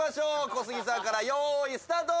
小杉さんから用意スタート。